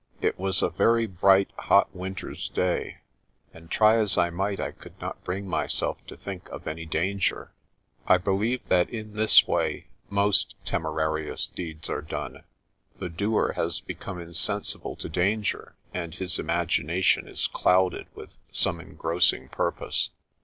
It was a very bright, hot winter's day, and try as I might I could not bring myself to think of any danger. I believe that in this way most temerarious deeds are done; the doer has become insensible to danger and his imagination is clouded with some engrossing purpose.